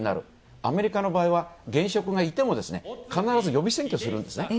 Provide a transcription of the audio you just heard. アメリカの場合は現職がいても必ず予備選挙をするんですね。